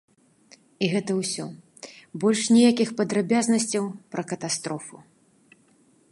І гэта ўсё, больш ніякіх падрабязнасцяў пра катастрофу.